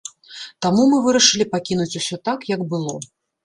Таму мы вырашылі пакінуць усё так, як было.